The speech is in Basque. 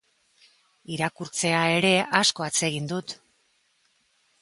Irakurtzea ere asko atsegin dut.